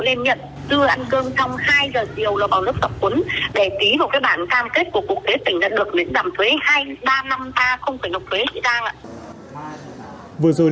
là được để giảm thuế hai ba năm ba không phải nộp thuế chị trang ạ